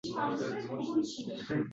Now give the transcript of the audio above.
Ko`chaga qaragan derazamiz oshxonaga yaqin